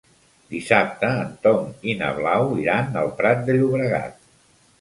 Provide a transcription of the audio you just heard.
Dissabte en Tom i na Blau iran al Prat de Llobregat.